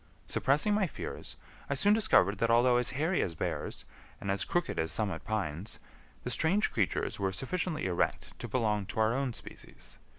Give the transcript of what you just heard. Suppressing my fears, I soon discovered that although as hairy as bears and as crooked as summit pines, the strange creatures were sufficiently erect to belong to our own species.